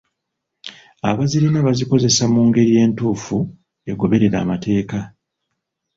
Abazirina bazikozese mu ngeri entuufu egoberera amateeka.